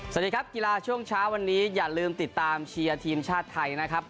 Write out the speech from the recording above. สวัสดีครับกีฬาช่วงเช้าวันนี้อย่าลืมติดตามเชียร์ทีมชาติไทยนะครับ